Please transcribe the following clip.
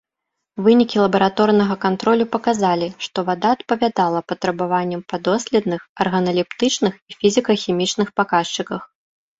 Вынікі лабараторнага кантролю паказалі, што вада адпавядала патрабаванням па доследных арганалептычных і фізіка-хімічных паказчыках.